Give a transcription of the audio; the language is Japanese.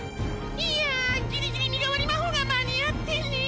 いやギリギリ身代わり魔法が間に合ってねぇ。